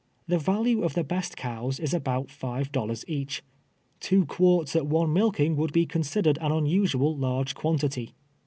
The value of the best cows is about five dollars each. Two cpiarts at one milking, would be considered an unusual largo quantity.